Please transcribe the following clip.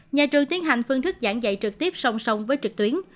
nhà trường tiến hành phương thức giảng dạy trực tiếp song song với trực tuyến